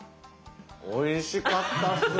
おいしかったっすね。